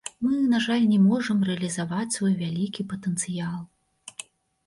Мы, на жаль, не можам рэалізаваць свой вялікі патэнцыял.